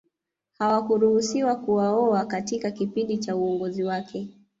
Hawakuruhusiwa kuwaoa katika kipindi cha uongozi wake